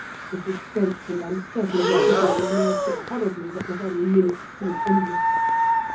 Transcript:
The suspense and uncertainty are getting on my nerves so horribly that the very minutes seem endless.